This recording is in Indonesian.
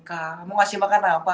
kamu ngasih makan apa